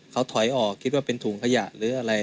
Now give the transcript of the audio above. เขาถอยออกคิดว่าเป็นถุงขยะหรืออะไร